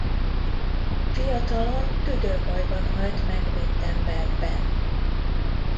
Fiatalon tüdőbajban halt meg Wittenbergben.